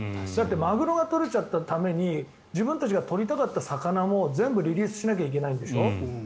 マグロが取れちゃったために自分たちが取りたかった魚も全部リリースしなきゃいけないんでしょ。